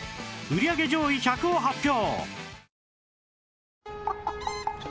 売り上げ上位１００を発表！